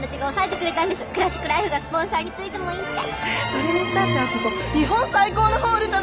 それにしたってあそこ日本最高のホールじゃない。